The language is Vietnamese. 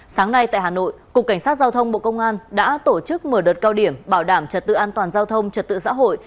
sáng nay tại hà nội cục cảnh sát giao thông bộ công an đã tổ chức mở đợt cao điểm bảo đảm trật tự an toàn giao thông trật tự xã hội